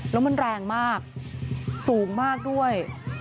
แล้วมันแรงมากสูงมากด้วย